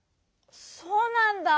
そうなんだ。